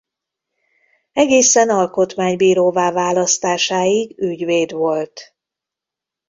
Egészen alkotmánybíróvá választásáig ügyvéd volt.